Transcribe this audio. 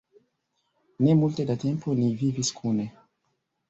Ne multe da tempo ni vivis kune.